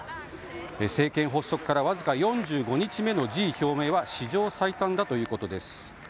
政権発足からわずか４５日目の辞意表明は史上最短だということです。